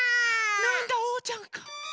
なんだおうちゃんか。